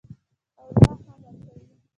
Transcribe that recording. او لا هم ورکوي.